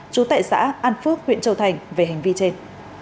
chú tệ xã an phước huyện châu thành về hành vi trên